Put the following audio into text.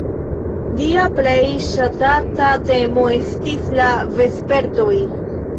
Lia plej ŝatata temo estis la vespertoj.